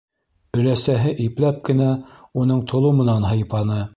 Өләсәһе ипләп кенә уның толомонан һыйпаны: